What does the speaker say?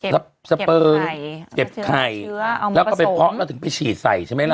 เก็บไข่เก็บไข่เชื้อเอามุมประสงค์แล้วก็เป็นเพราะเราถึงไปฉีดใส่ใช่ไหมล่ะ